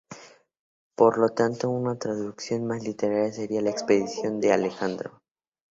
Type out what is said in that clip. Por lo tanto, una traducción más literal sería "la expedición de Alejandro".